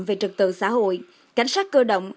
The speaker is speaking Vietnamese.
về trật tự xã hội cảnh sát cơ động